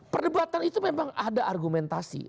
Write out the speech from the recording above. perdebatan itu memang ada argumentasi